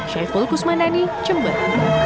syaful kusmanani jember